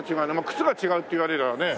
靴が違うって言われればね。